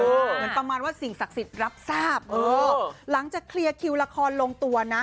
เหมือนประมาณว่าสิ่งศักดิ์สิทธิ์รับทราบเออหลังจากเคลียร์คิวละครลงตัวนะ